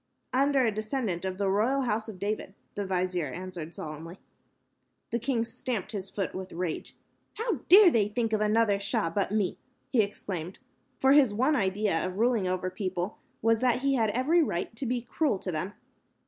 "Under a descendant of the royal House of David," the vizier answered, solemnly. The king stamped his foot with rage. "How dare they think of any other Shah but me," he exclaimed, for his one idea of ruling over people was that he had every right to be cruel to them.